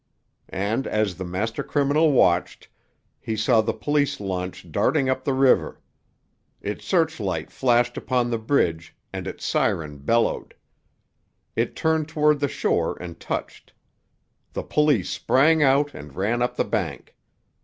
And, as the master criminal watched, he saw the police launch darting up the river. Its searchlight flashed upon the bridge, and its siren bellowed. It turned toward the shore and touched. The police sprang out and ran up the bank.